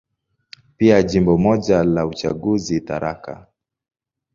Pia Jimbo moja la uchaguzi, Tharaka.